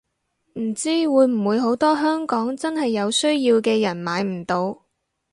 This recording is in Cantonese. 唔知會唔會好多香港真係有需要嘅人買唔到